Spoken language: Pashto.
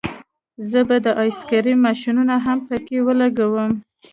زه به د آیس کریم ماشینونه هم پکې ولګوم